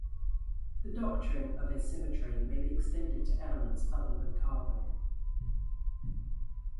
The doctrine of asymmetry may be extended to elements other than carbon.